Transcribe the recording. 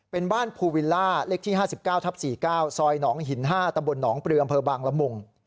เป็นบ้านภูวิลล่าเลขที่๕๙ทับ๔๙ซอยหนองหิน๕ตำบลหนองปลืออำเภอบางละมุง